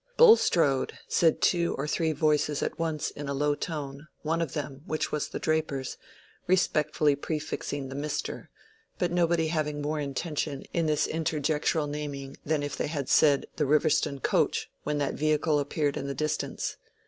"Bulstrode!" said two or three voices at once in a low tone, one of them, which was the draper's, respectfully prefixing the "Mr.;" but nobody having more intention in this interjectural naming than if they had said "the Riverston coach" when that vehicle appeared in the distance.